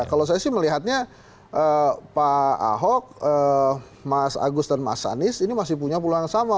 kalau saya sih melihatnya pak ahok mas agus dan mas anies ini masih punya peluang yang sama